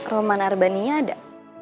roman arbani ada